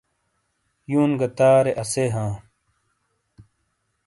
یون گہ تارے اسے ہاں